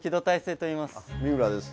三村です。